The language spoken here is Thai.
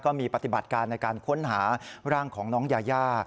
ปฏิบัติการในการค้นหาร่างของน้องยายา